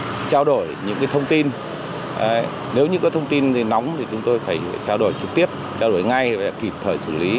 chúng tôi phải trao đổi những thông tin nếu những thông tin nóng thì chúng tôi phải trao đổi trực tiếp trao đổi ngay để kịp thời xử lý